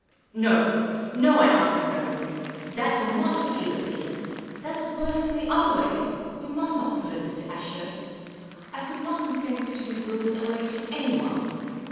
" No, no," I answered, firmly. " That will not 174 Miss Caylcy's Adventures do either, please. Tliat 's worse than the other way. You must not put it, Mr. Ashurst. I could not consent to be willed away to anybody."